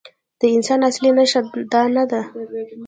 د انسان اصلي نښه دا نه ده.